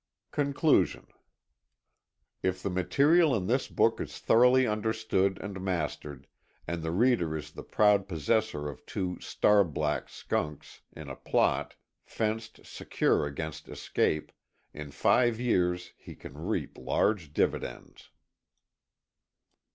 Conclusion. If the material in this book is thoroughly understood and mastered, and the reader is the proud possessor of two ŌĆ£star blackŌĆØ skunks in a plot, fenced secure against escape, in five years he can reap large dividends.